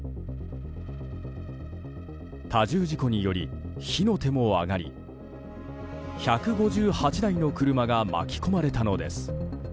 多重事故により、火の手も上がり１５８台もの車が巻き込まれたのです。